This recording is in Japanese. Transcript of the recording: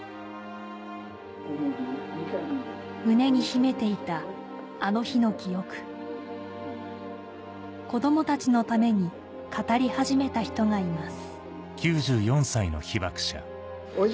胸に秘めていたあの日の記憶子どもたちのために語り始めた人がいます